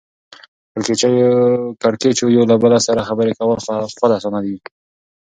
په کېړکیچو یو له بله سره خبرې کول خود اسانه دي